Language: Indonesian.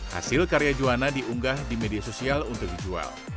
hasil karya juwana diunggah di media sosial untuk dijual